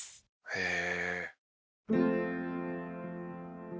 「へえ」